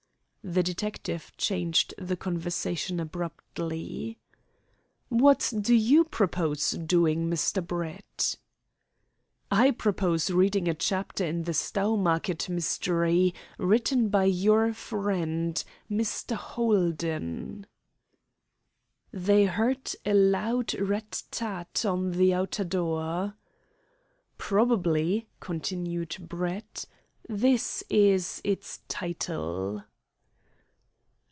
The detective changed the conversation abruptly. "What do you propose doing, Mr. Brett?" "I purpose reading a chapter in 'The Stowmarket Mystery,' written by your friend, Mr. Holden." They heard a loud rat tat on the outer door. "Probably," continued Brett, "this is its title."